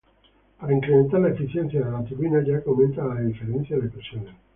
Para incrementar la eficiencia de la turbina ya que aumenta la diferencia de presiones.